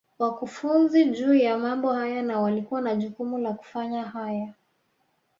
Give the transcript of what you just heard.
wakufunzi juu ya mambo haya na walikuwa na jukumu la kufanya haya